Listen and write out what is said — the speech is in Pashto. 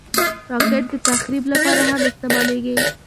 راکټ د تخریب لپاره هم استعمالېږي